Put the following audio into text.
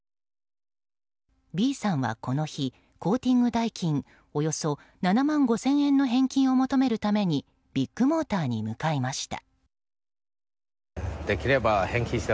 Ｂさんはこの日コーティング代金およそ７万５０００円の返金を求めるためにビッグモーターに向かいました。